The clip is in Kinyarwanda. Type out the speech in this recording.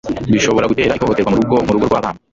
bishobora gutera ihohoterwa murugo murugo rwabana